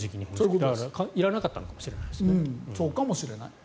だから、いらなかったのかもしれないですね。